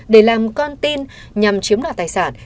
để làm con tin nhằm chiếm đoạt tài sản